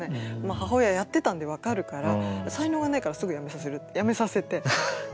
母親やってたんで分かるから才能がないからすぐやめさせるってやめさせて。